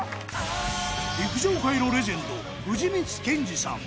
陸上界のレジェンド藤光謙司さん